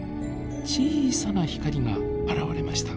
小さな光が現れました。